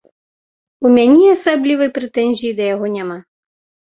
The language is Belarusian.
У мяне асаблівай прэтэнзіі да яго няма.